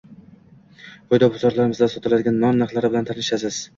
Quyida bozorlarimizda sotiladigan non narxlari bilan tanishasiz: